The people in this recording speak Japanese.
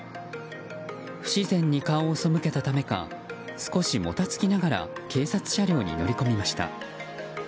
不自然に顔をそむけたためか少しもたつきながら警察車両に乗り込みました。